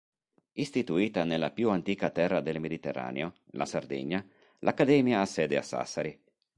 Istituita nella più antica terra del Mediterraneo, la Sardegna, l'Accademia ha sede a Sassari.